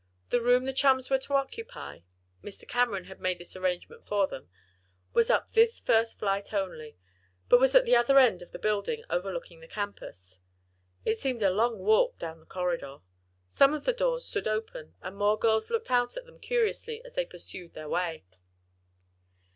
The room the chums were to occupy (Mr. Cameron had made this arrangement for them) was up this first flight only, but was at the other end of the building, overlooking the campus. It seemed a long walk down the corridor. Some of the doors stood open, and more girls looked out at them curiously as they pursued their way.